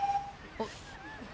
あっ。